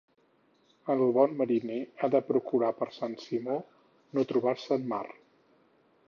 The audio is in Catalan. El bon mariner ha de procurar, per Sant Simó, no trobar-se en mar.